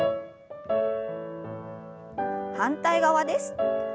反対側です。